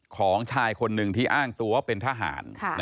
ของชายคนหนึ่งที่อ้างตัวเป็นทหาร